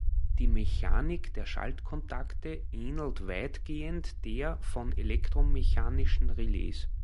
Die Mechanik der Schaltkontakte ähnelt weitgehend der von elektromechanischen Relais.